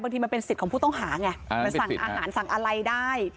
บางทีมันเป็นสิทธิ์ของผู้ต้องหาไงมันสั่งอาหารสั่งอะไรได้